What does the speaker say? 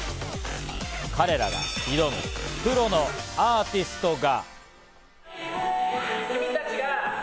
彼らが挑むプロのアーティストが。